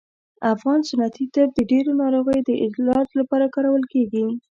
افغان سنتي طب د ډیرو ناروغیو د علاج لپاره کارول کیږي